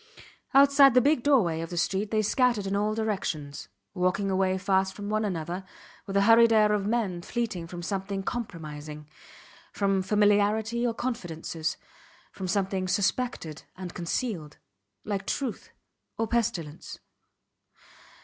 Outside the big doorway of the street they scattered in all directions, walking away fast from one another with the hurried air of men fleeing from something compromising; from familiarity or confidences; from something suspected and concealed like truth or pestilence.